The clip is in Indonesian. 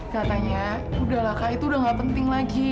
katanya udah lah kak itu udah gak penting lagi